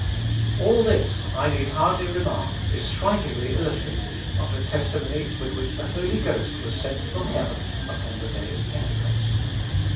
All this, I need hardly remark, is strikingly illustrative of the testimony with which the Holy Ghost was sent from heaven upon the day of Pentecost.